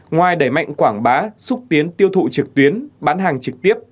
ngoài đẩy mạnh quảng bá xúc tiến tiêu thụ trực tuyến bán hàng trực tiếp